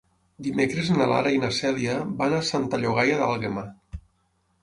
Dimecres na Lara i na Cèlia van a Santa Llogaia d'Àlguema.